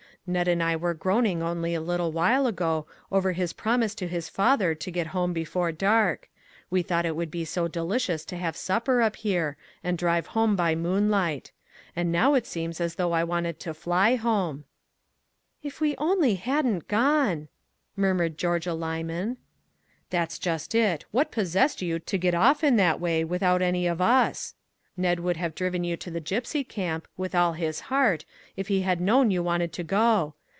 Ned and I were groaning only a little while ago over his promise to his father to get home before dark; we thought it would be so delicious to have supper up here, and drive home by moonlight; and now it seems as though I wanted to fly home." " If we only hadn't gene !" murmured Geor gia Lyman. " That's just it. What possessed you to get off in that way without any of us ? Ned would 243 MAG AND MARGARET have driven you to the gypsy camp, with all his heart, if he had known you wanted to go.